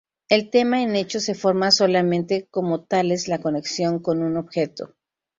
El tema en hecho se forma solamente como tales la conexión con un objeto.